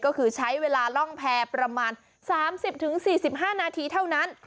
ก็คือใช้เวลาล่องแพร่ประมาณ๓๐๔๕นาทีเท่านั้น